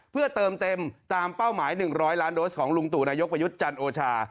เพื่อเติมเต็มตามเป้าหมาย๑๐๐ล้านโดสของลุงตู่นายกประยุทธ์จันทร์โอชา